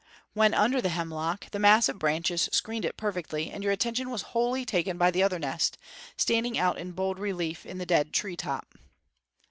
When under the hemlock, the mass of branches screened it perfectly, and your attention was wholly taken by the other nest, standing out in bold relief in the dead tree top.